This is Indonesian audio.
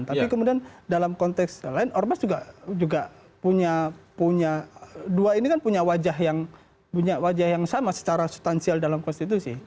tapi kemudian dalam konteks lain ormas juga punya dua ini kan punya wajah yang sama secara sustansial dalam konstitusi